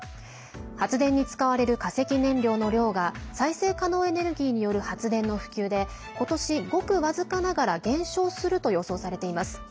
発電に使われる化石燃料の量が再生可能エネルギーによる発電の普及で今年、ごく僅かながら減少すると予想されています。